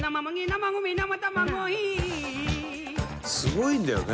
「すごいんだよね